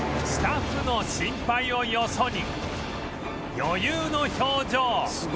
スタッフの心配をよそに余裕の表情